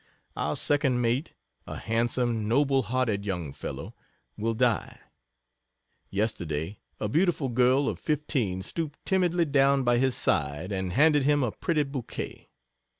Our second Mate, a handsome, noble hearted young fellow, will die. Yesterday a beautiful girl of 15 stooped timidly down by his side and handed him a pretty bouquet.